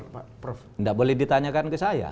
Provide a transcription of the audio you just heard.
tidak boleh ditanyakan ke saya